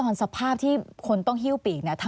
อันดับ๖๓๕จัดใช้วิจิตร